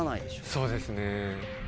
そうですね。